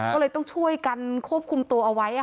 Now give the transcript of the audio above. ก็เลยต้องช่วยกันควบคุมตัวเอาไว้